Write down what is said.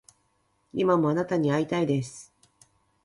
今もあなたに逢いたいです